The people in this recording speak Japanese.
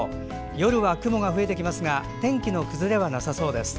夜は雲が増えてきますが天気の崩れはなさそうです。